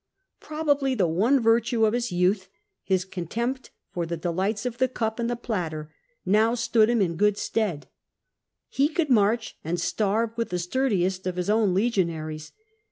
Probably the one virtue of his youth, his contempt for the delights of the cup and the platter, now stood him in good stead. He could march and starve with the sturdiest of his own legionaries.